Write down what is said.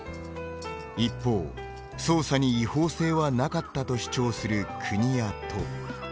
一方、捜査に違法性はなかったと主張する国や都。